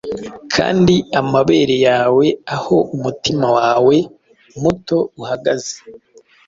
kandi amabere yawe Aho umutima wawe muto uhagaze.